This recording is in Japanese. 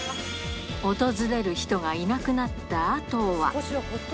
訪れる人がいなくなったあとは。